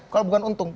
kalau bukan untung